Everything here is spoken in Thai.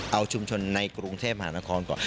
เอาชุมชนในกรุงเทพหานครก่อน